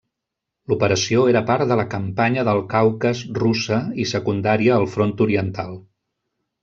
L'operació era part de la Campanya del Caucas russa i secundària al Front Oriental.